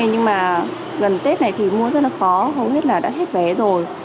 nhưng mà gần tết này thì mua rất là khó không biết là đã hết vé rồi